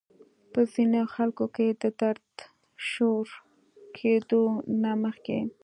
پۀ ځينې خلکو کې د درد شورو کېدو نه مخکې